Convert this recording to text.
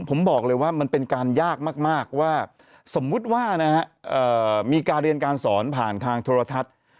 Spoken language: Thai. ผมบอกเลยว่ามันเป็นการยากมากว่าสมมุติว่ามีการเรียนการสอนผ่านทางโทรทัศน์